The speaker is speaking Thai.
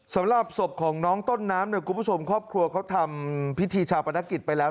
สำหรับศพของน้องต้นน้ำเนี่ยคุณผู้ชมครอบครัวเขาทำพิธีชาปนกิจไปแล้ว